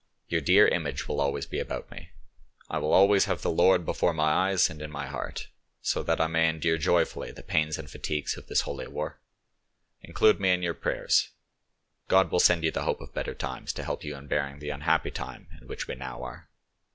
"Your dear image will always be about me; I will always have the Lord before my eyes and in my heart, so that I may endure joyfully the pains and fatigues of this holy war. Include me in your Prayers; God will send you the hope of better times to help you in bearing the unhappy time in which we now are.